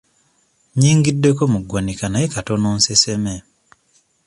Nnyingiddeko mu ggwanika naye katono nseseme.